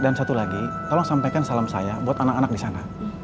dan satu lagi tolong sampaikan salam saya buat anak anak di sana